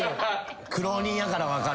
苦労人やから分かる。